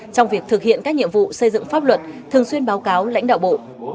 trong việc thực hiện các nhiệm vụ xây dựng pháp luật thường xuyên báo cáo lãnh đạo bộ